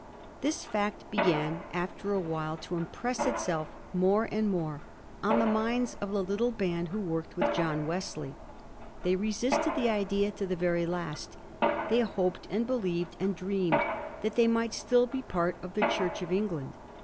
This fact began after a while to impress itself more and more on the minds of the little band who worked with John Wesley. They resisted the idea to the very last ; they hoped and believed and dreamed that they might still be part of the Church of England.